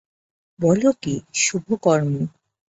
বল কী, শুভকর্ম!